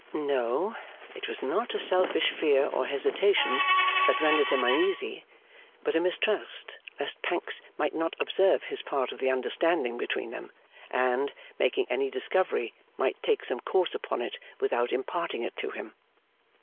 No. It was not a selfish fear or hesitation that rendered him uneasy, but a mistrust lest Pancks might not observe his part of the understanding between them, and, making any discovery, might take some course upon it without imparting it to him.